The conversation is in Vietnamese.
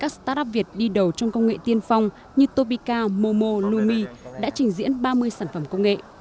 startup việt đi đầu trong công nghệ tiên phong như topika momo lumi đã trình diễn ba mươi sản phẩm công nghệ